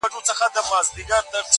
• او که دي زړه سو هېرولای می سې -